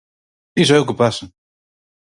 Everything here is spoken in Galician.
Iso é o que pasa.